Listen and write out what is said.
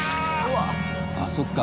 あっそっか。